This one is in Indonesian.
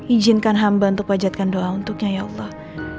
ijinkan hamba untuk wajatkan doa untuknya ya allah